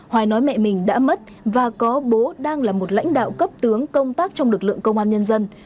hoài nói mẹ mình đã mất và có bố đang là một lãnh đạo cấp tướng công tác trong lực lượng công an nhân dân